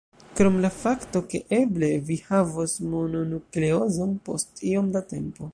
Krom la fakto ke eble vi havos mononukleozon post iom da tempo.